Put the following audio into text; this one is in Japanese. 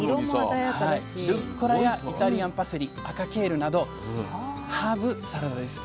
ルッコラやイタリアンパセリ赤ケールなどハーブサラダです。